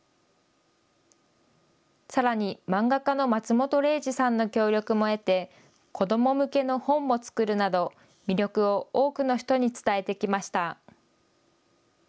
さらに漫画家の松本零士さんの協力も得て子ども向けの本も作るなど魅力を多くの人に伝えてきました。